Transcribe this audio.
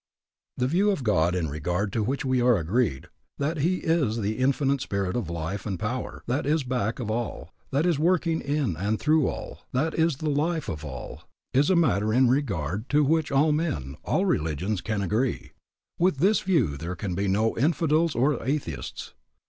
The view of God in regard to which we are agreed, that He is the Infinite Spirit of Life and Power that is back of all, that is working in and through all, that is the life of all, is a matter in regard to which all men, all religions can agree. With this view there can be no infidels or atheists.